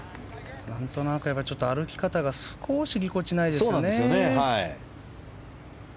何となく歩き方が少しぎこちないですよね。